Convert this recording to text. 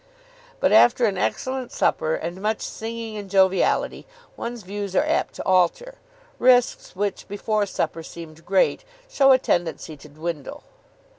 But after an excellent supper and much singing and joviality, one's views are apt to alter. Risks which before supper seemed great, show a tendency to dwindle.